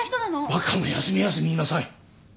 バカも休み休み言いなさい。